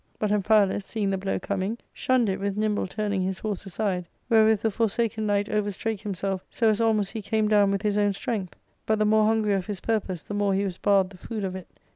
But Amphialus, seeing the blow coming, shunned it with nimble turning his horse aside ; wherewith the Fqrsaken Knight overstrake himself so as almost he came down with his own strength ; but the more hungry of his purpose the more he was barred the food of it.